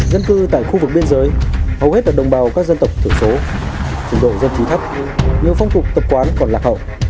dân cư tại khu vực biên giới hầu hết là đồng bào các dân tộc thiểu số trình độ dân trí thấp như phong tục tập quán còn lạc hậu